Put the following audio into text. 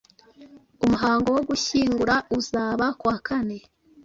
Umuhango wo gushyingura uzaba kuwakane